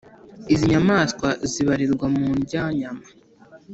Izi nyamanswa zibarizwa mu ndyanyama